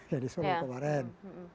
jadi semua kemarin